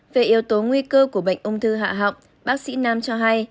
về yếu tố nguy cơ của bệnh ung thư hạ họng bác sĩ nam cho hay